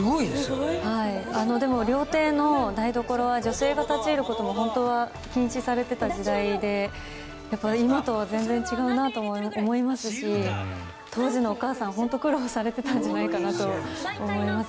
でも、料亭の台所は女性が立ち入ることも本当は禁止されていた時代で今とは全然違うなと思いますし当時のお母さん、本当に苦労されてたんじゃないかなと思います。